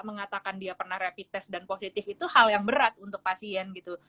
mengatakan dia pernah rapid test dan positif itu hal yang berat untuk pasien gitu